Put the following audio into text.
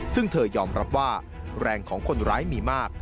ซึ่งเธอยอมรับว่าแรงของคนร้ายมีมาก